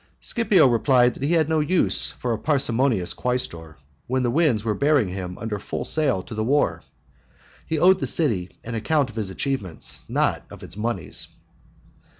Scipio replied that he had no use for a parsimonious quaestor when the winds were bearing him under full sail to the war ; he owed the city an account of his achievements, not of its moneys.